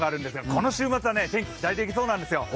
この週末は天気、期待できそうなんですよ。